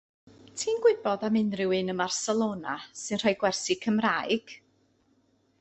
Ti'n gwybod am unrhyw un ym Marcelona sy'n rhoi gwersi Cymraeg?